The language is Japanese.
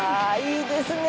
いいですね！